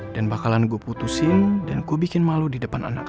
dan bakalan gue putusin dan gue bikin malu di depan anak anak